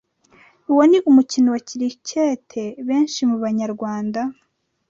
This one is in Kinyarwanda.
Uwo ni umukino wa Kiriketi benshi mu Banyarwanda